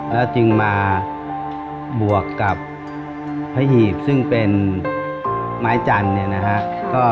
แล้วจึงมาบวกกับผีบซึ่งเป็นไม้จันทร์